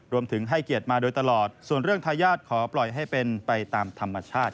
รวมถึงให้เกียรติมาโดยตลอดส่วนเรื่องทายาทขอปล่อยให้เป็นไปตามธรรมชาติ